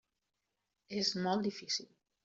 És molt difícil.